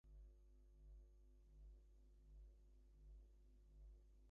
There is nothing Anthony could have done to deserve the fate that befell him.